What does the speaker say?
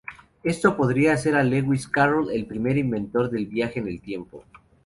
Esto podría hacer a Lewis Carroll el primer inventor del viaje en el tiempo.